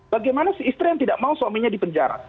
bagaimana si istri yang tidak mau suaminya dipenjara